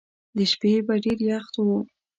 د شپې به ډېر یخ وو.